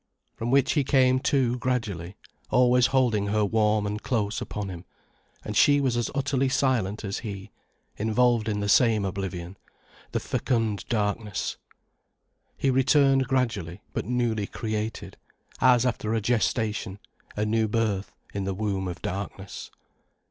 From which he came to gradually, always holding her warm and close upon him, and she as utterly silent as he, involved in the same oblivion, the fecund darkness. He returned gradually, but newly created, as after a gestation, a new birth, in the womb of darkness.